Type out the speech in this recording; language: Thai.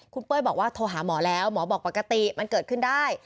คุณเป้ยบอกว่าโทรหาหมอแล้วหมอบอกปกติมันเกิดขึ้นได้